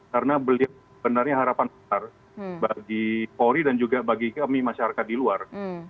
karena beliau benarnya harapan besar bagi polri dan juga bagi kami masyarakat di luar